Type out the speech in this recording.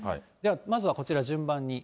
まずはこちら、順番に。